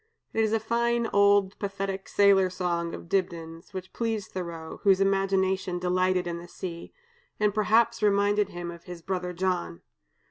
It is a fine old pathetic sailor song of Dibdin's, which pleased Thoreau (whose imagination delighted in the sea), and perhaps reminded him of his brother John.